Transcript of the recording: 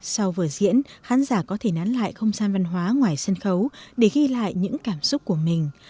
sau vở diễn khán giả có thể nán lại không gian văn hóa ngoài sân khấu để ghi lại những cảm xúc của mình